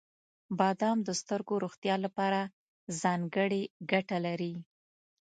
• بادام د سترګو روغتیا لپاره ځانګړې ګټه لري.